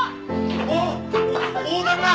ああっ大旦那！